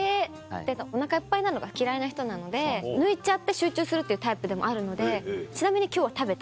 お腹いっぱいなのが嫌いな人なので抜いちゃって集中するっていうタイプでもあるので「ちなみに今日は食べた？」